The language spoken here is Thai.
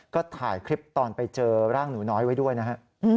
ก็ถ่ายคลิปตอนไปเจอร่างหนูน้อยไว้ด้วยนะฮะ